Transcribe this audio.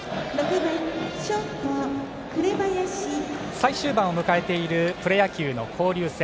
最終盤を迎えているプロ野球の交流戦。